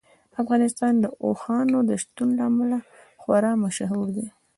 افغانستان د اوښانو د شتون له امله خورا مشهور دی.